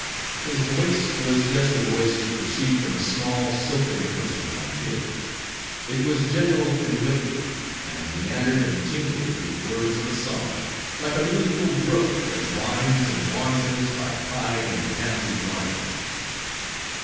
His voice was just the voice to proceed from a small, silken person like his; it was gentle and liquid, and meandered and tinkled through the words of a song, like a musical brook that winds and wantons by pied and pansied margins.